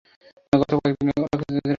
গত কয়েক দিনে ওরা কিছুটা এগিয়েছে।